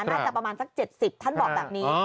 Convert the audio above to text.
น่าจะประมาณสัก๗๐ท่านบอกแบบนี้